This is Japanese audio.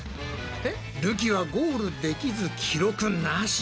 るきはゴールできず記録なし。